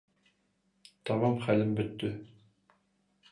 Тамам хәлем бөттө.